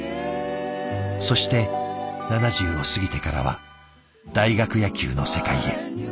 そして７０を過ぎてからは大学野球の世界へ。